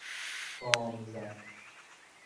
گام زد